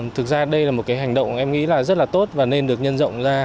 thực ra đây là một hành động em nghĩ rất là tốt và nên được nhân rộng ra